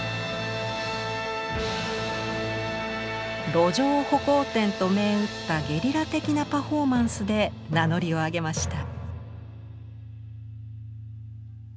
「路上歩行展」と銘打ったゲリラ的なパフォーマンスで名乗りを上げました。